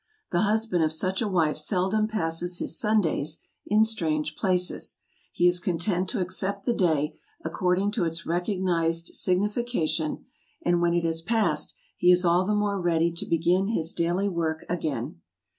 The husband of such a wife seldom passes his Sundays in strange places: he is content to accept the day according to its recognized signification, and when it has passed he is all the more ready to begin his daily work again.